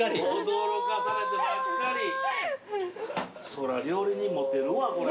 そりゃ料理人モテるわこれ。